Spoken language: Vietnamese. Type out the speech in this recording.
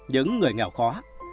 những người nghèo khó